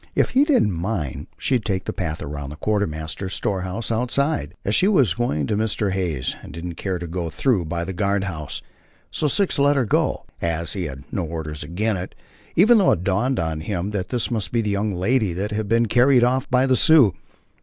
If he didn't mind, she'd take the path around the quartermaster's storehouse outside, as she was going to Mr. Hay's, and didn't care to go through by the guard house. So Six let her go, as he "had no orders agin it" (even though it dawned upon him that this must be the young lady that had been carried off by the Sioux).